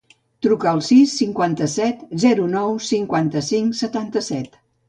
Truca al sis, cinquanta-set, zero, nou, cinquanta-cinc, setanta-set.